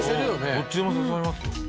どっちでも挿さりますよ。